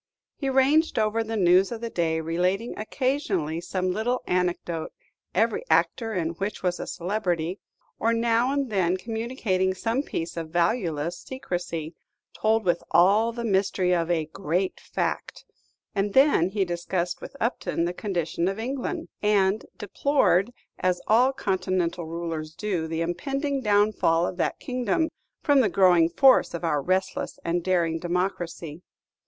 He ranged over the news of the day, relating occasionally some little anecdote, every actor in which was a celebrity; or now and then communicating some piece of valueless secrecy, told with all the mystery of a "great fact;" and then he discussed with Upton the condition of England, and deplored, as all Continental rulers do, the impending downfall of that kingdom, from the growing force of our restless and daring democracy.